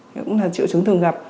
cũng là triệu chứng thường gặp